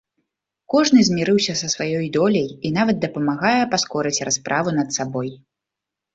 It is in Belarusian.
Кожны змірыўся са сваёй доляй і нават дапамагае паскорыць расправу над сабой.